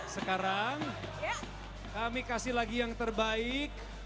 sekarang kami kasih lagi yang terbaik